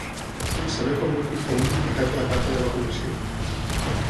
Vull saber com em puc fer un duplicat de la carta de vacunació.